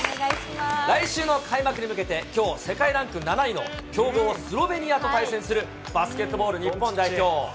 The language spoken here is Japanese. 来週の開幕に向けて、きょう、世界ランク７位の強豪スロベニアと対戦するバスケットボール日本代表。